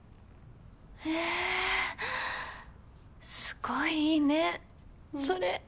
えぇすごいいいねそれ。